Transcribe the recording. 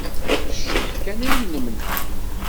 Ɣef cceḥ kan ay nemneɛ.